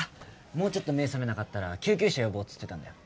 もうちょっと目覚めなかったら救急車呼ぼうって言ってたんだよ